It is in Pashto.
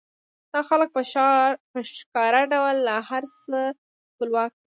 دا خلک په ښکاره ډول له هر څه خپلواک دي